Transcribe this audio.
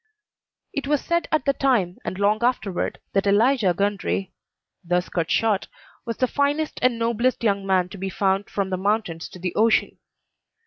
It was said at the time and long afterward that Elijah Gundry thus cut short was the finest and noblest young man to be found from the mountains to the ocean.